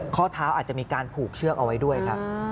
ข้อเท้าอาจจะมีการผูกเชือกเอาไว้ด้วยครับ